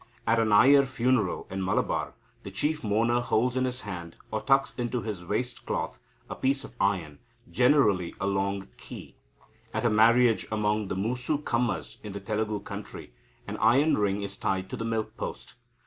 At a Nayar funeral in Malabar, the chief mourner holds in his hand, or tucks into his waist cloth, a piece of iron, generally a long key. At a marriage among the Musu Kammas in the Telugu country, an iron ring is tied to the milk post.